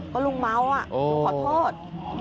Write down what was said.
ก็ลุงเมาอ่ะลุงขอโทษ